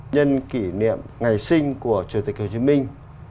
nhân kỷ niệm ngày sinh của chủ tịch hồ chí minh